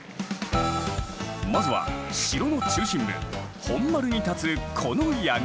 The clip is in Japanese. まずは城の中心部本丸に立つこの櫓。